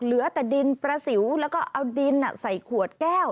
เหลือแต่ดินประสิวแล้วก็เอาดินใส่ขวดแก้ว